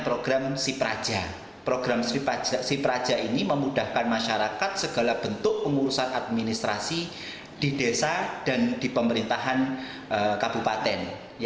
program sipraja ini memudahkan masyarakat segala bentuk pengurusan administrasi di desa dan di pemerintahan kabupaten